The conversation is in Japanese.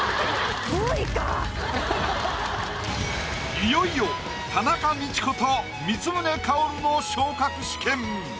いよいよ田中道子と光宗薫の昇格試験。